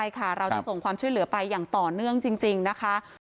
ใช่ค่ะเราจะส่งความช่วยเหลือไปอย่างต่อเนื่องจริงนะคะ